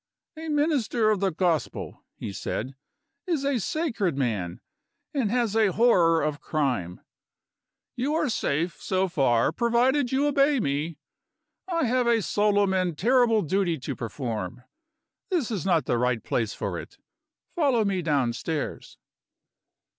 "A minister of the Gospel," he said, "is a sacred man, and has a horror of crime. You are safe, so far provided you obey me. I have a solemn and terrible duty to perform. This is not the right place for it. Follow me downstairs."